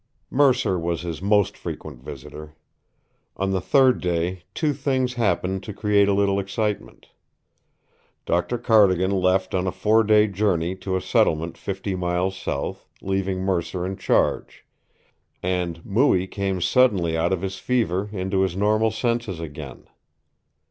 Mercer was his most frequent visitor. On the third day two things happened to create a little excitement. Doctor Cardigan left on a four day journey to a settlement fifty miles south, leaving Mercer in charge and Mooie came suddenly out of his fever into his normal senses again.